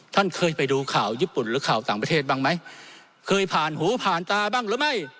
ท่านเคยไปดูข่าวญี่ปุ่นหรือข่าวต่างประเทศบ้างไหมเคยผ่านหูผ่านตาบ้างหรือไม่